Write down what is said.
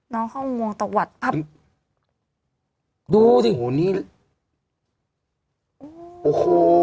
น้องเข้าวงวงตะวัดพับดูดีโอ้โห